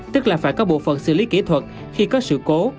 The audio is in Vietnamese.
tức là phải có bộ phận xử lý kỹ thuật khi có sự cố